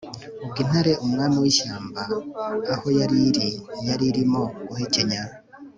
ubwo intare umwami w'ishyamba aho yari iri, yari irimo guhekenya